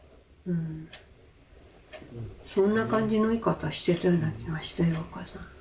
そんな感じの言い方してたような気がしたよお母さん。